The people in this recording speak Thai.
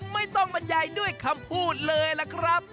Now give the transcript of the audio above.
ไม่ต้องบรรยายด้วยคำพูดเลยล่ะครับ